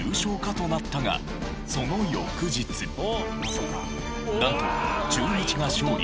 となったがその翌日なんと中日が勝利